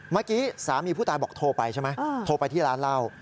เมื่อกี้สามีผู้ตายบอกโทรไปใช่ไหมโทรไปที่ร้านเหล้า